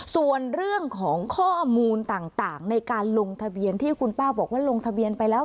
ส่วนเรื่องของข้อมูลต่างในการลงทะเบียนที่คุณป้าบอกว่าลงทะเบียนไปแล้ว